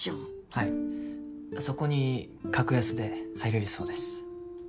はいそこに格安で入れるそうです